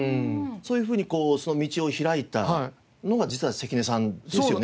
そういうふうにその道を開いたのは実は関根さんですよねきっとね。